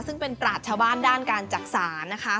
ซึ่งเป็นปราชชาวบ้านด้านการจักษานะคะ